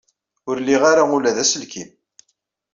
Ur liɣ ara ula d aselkim.